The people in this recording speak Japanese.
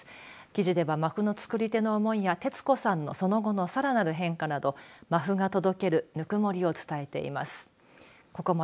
記事ではマフの作り手の思いやテツ子さんのその後のさらなる変化などマフが届けるぬくもりを伝えています。